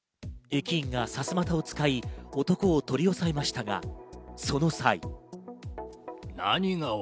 駅員がさすまたを使い、男を取り押さえましたが、その際。